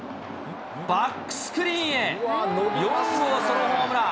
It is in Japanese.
バックスクリーンへ、４号ソロホームラン。